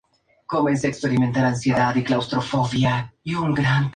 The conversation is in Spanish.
El primer sencillo fue "About Us" con Paul Wall.